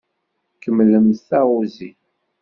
Kemmlem taɣuzi.